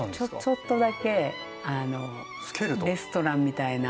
ちょっとだけレストランみたいな。